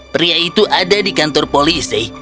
pria itu ada di kantor polisi